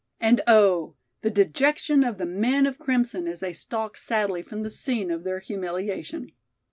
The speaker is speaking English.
And, oh! the dejection of the men of crimson as they stalked sadly from the scene of their humiliation.